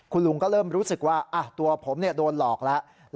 คุณลุงก็เริ่มรู้สึกว่าตัวผมโดนหลอกแล้ว